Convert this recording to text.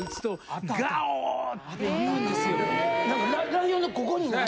ライオンのここに何か。